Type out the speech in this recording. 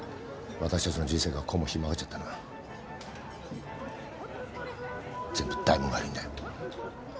私たちの人生がこうもひん曲がっちゃったのは全部大門が悪いんだよ。